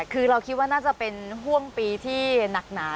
คือเราคิดว่าน่าจะเป็นห่วงปีที่หนักหนา